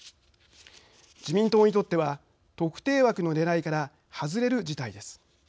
自民党にとっては特定枠のねらいから外れる事態です。